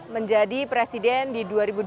menjadi presiden di dua ribu dua puluh